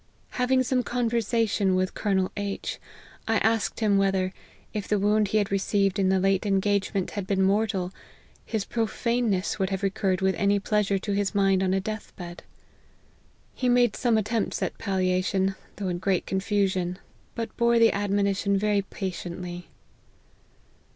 Having some conversation with Colonel H , I asked him whether, if the wound he had received in the late engagement had been mortal, his pro faneness would have recurred with any pleasure to his mind on a death bed. He made some attempts at palliation, though in great confusion ; but bore the admonition very patiently."